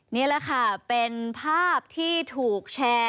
นี่แหละค่ะเป็นภาพที่ถูกแชร์